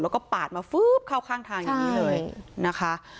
แล้วก็ปาดมาฟื๊บเข้าข้างทางอย่างนี้เลยนะคะ